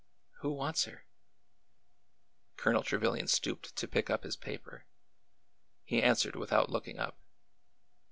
" Who wants her?" Colonel Trevilian stooped to pick up his paper. He answered without looking up.